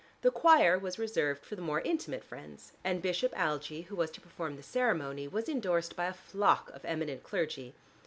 The choir was reserved for the more intimate friends, and Bishop Algie who was to perform the ceremony was endorsed by a flock of eminent clergy.